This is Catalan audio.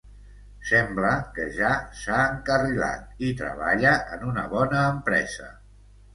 Sembla que ja s'ha encarrilat i treballa en una bona empresa.